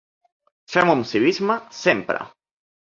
Fem-ho amb civisme sempre!